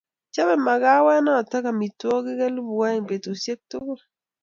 chobe makawet notok amitwogik elipu aeng petushek tugul